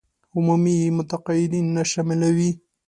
عمومي متقاعدين نه شاملوي.